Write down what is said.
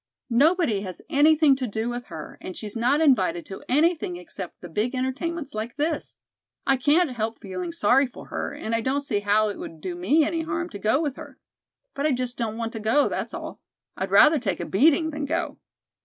Nobody has anything to do with her, and she's not invited to anything except the big entertainments like this. I can't help feeling sorry for her, and I don't see how it would do me any harm to go with her. But I just don't want to go, that's all. I'd rather take a beating than go."